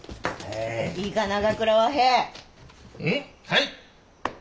はい。